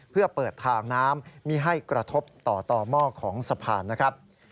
เพื่อเปิดทางน้ำไม่ให้กระทบต่อต่อหม้อของสะพานนะครับ